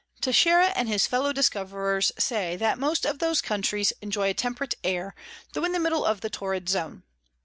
Texeira and his Fellow Discoverers say, that most of those Countries enjoy a temperate Air, tho in the middle of the Torrid Zone.